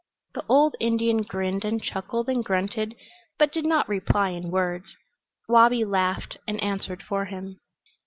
The old Indian grinned and chuckled and grunted, but did not reply in words. Wabi laughed, and answered for him.